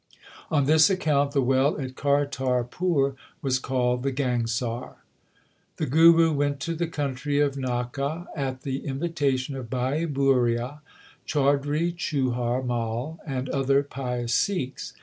On this account the well at Kartarpur was called the Gangsar. The Guru went to the country of Nakka at the invitation of Bhai Bhuria, Chaudhri Chuhar Mai, and other pious Sikhs.